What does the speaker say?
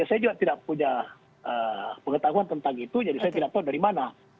saya juga tidak punya pengetahuan tentang itu jadi saya tidak tahu dari mana